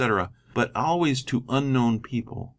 but always to unknown people.